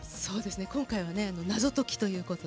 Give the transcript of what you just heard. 今回は謎解きということで。